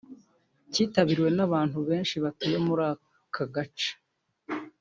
cyitabiriwe n’abantu benshi batuye muri aka gace